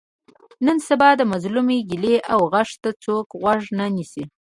نن سبا د مظلوم ګیلې او غږ ته څوک غوږ نه نیسي.